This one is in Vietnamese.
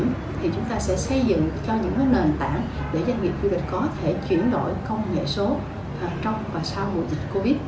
thì chúng ta sẽ xây dựng cho những nền tảng để doanh nghiệp du lịch có thể chuyển đổi công nghệ số trong và sau mùa dịch covid